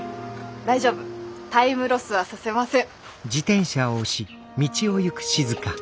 大丈夫タイムロスはさせません。